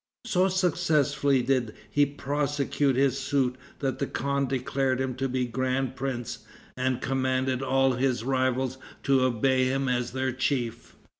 So successfully did he prosecute his suit that the khan declared him to be grand prince, and commanded all his rivals to obey him as their chief.